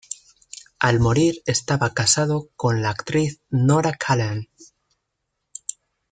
Al morir estaba casado con la actriz Nora Cullen.